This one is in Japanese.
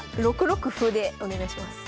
６六歩でお願いします。